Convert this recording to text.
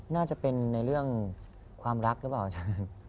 น่าจะเป็นในเรื่องความรักหรือเปล่า